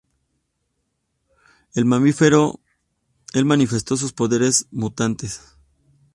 Él manifestó sus poderes mutantes.